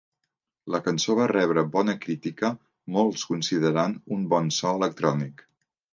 La cançó va rebre bona crítica, molts considerant un bon so electrònic.